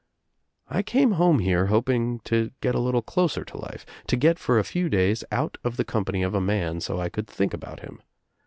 "I came home here hoping to get a little closer to life, to get, for a few days, out of the company of a man so I could think about him.